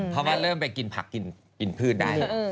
เพราะว่าเริ่มไปกินผักกินพืชได้